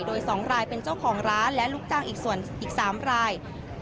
โดย๒รายเป็นเจ้าของร้านและลูกจ้างอีกส่วนอีก๓ราย